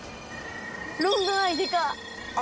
ロンドン・アイデカっ！